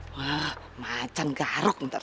wah macan garuk ntar